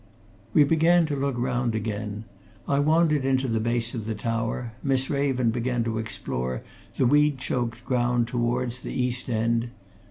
We began to look round again. I wandered into the base of the tower; Miss Raven began to explore the weed choked ground towards the east end.